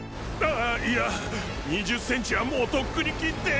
あいや２０センチはもうとっくに切って。